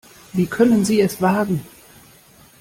Wie können Sie es wagen?